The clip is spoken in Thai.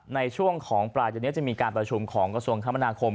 ในช่วงของปลายเดือนนี้จะมีการประชุมของกระทรวงคมนาคม